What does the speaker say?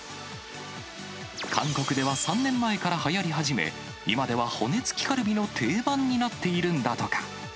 韓国では３年前からはやり始め、今では骨付きカルビの定番になっているんだとか。